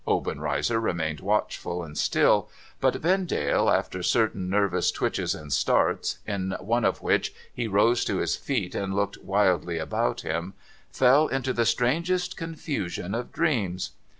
Obenreizer remained watchful and still ; but Vendale, after certain nervous twitches and starts, in one of which he rose to his feet and looked wildly about him, fell into the strangest confusion of dreams.